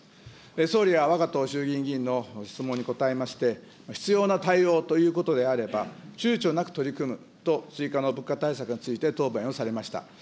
総理はわが党衆議院議員の質問に答えまして、必要な対応ということであれば、ちゅうちょなく取り組むと追加の物価対策について答弁をされました。